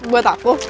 ini buat aku